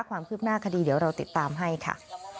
ความคืบหน้าคดีเดี๋ยวเราติดตามให้ค่ะ